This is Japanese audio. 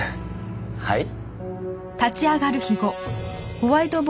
はい？